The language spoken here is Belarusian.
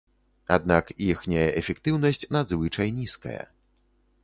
Аднак іхняя эфектыўнасць надзвычай нізкая.